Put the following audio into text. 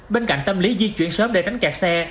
bên cạnh tâm lý di chuyển sớm để tránh kẹt xe